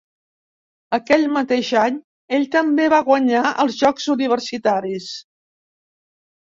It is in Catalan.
Aquell mateix any, ell també va guanyar els Jocs Universitaris.